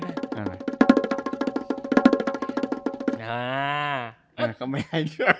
ก็ไม่ให้ด้วย